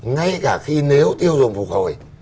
ngay cả khi nếu tiêu dùng phục hồi